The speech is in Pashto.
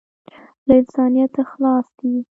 له انسانیته خلاص یې .